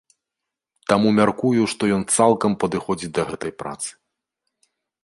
Таму мяркую, што ён цалкам падыходзіць для гэтай працы.